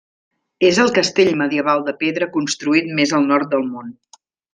És el castell medieval de pedra construït més al nord del món.